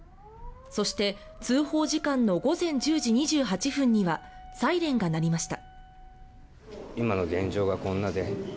そして通報時間の午前１０時２８分にはサイレンが鳴りました。